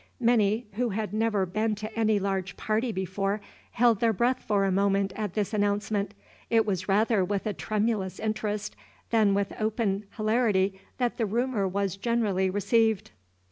Many, who had never been to any large party before, held their breath for a moment at this announcement. It was rather with a tremulous interest than with open hilarity that the rumor was generally received.